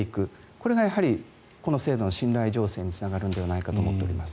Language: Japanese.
これがやはりこの制度の信頼醸成につながるのではないかと思っております。